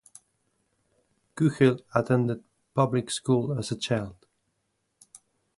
Kuchel attended public school as a child.